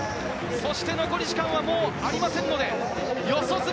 そして残り時間はもうありませんので四十住